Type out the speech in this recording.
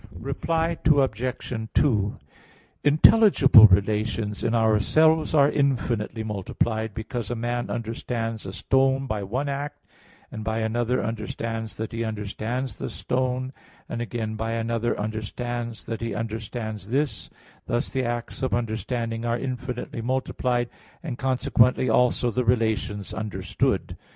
Reply Obj. 2: Intelligible relations in ourselves are infinitely multiplied, because a man understands a stone by one act, and by another act understands that he understands the stone, and again by another, understands that he understands this; thus the acts of understanding are infinitely multiplied, and consequently also the relations understood.